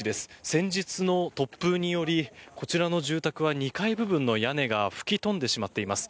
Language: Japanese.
先日の突風によりこちらの住宅は２階部分の屋根が吹き飛んでしまっています。